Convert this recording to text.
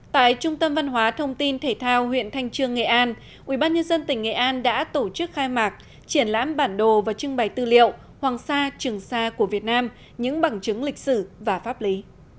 tại trung tâm văn hóa thông tin thể thao huyện thanh trương nghệ an ubnd tỉnh nghệ an đã tổ chức khai mạc triển lãm bản đồ và trưng bày tư liệu hoàng sa trường sa của việt nam những bằng chứng lịch sử và pháp lý